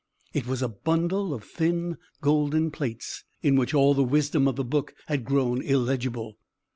it was a bundle of thin golden plates, in which all the wisdom of the book had grown illegible.